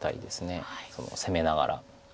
攻めながら。